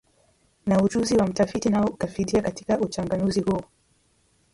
na ujuzi wa mtafiti nao ukafidia katika uchanganuzi huo